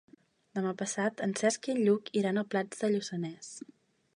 Demà passat en Cesc i en Lluc iran a Prats de Lluçanès.